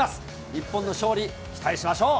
日本の勝利、期待しましょう。